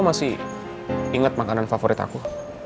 mamaku masih inget makanan favorit aku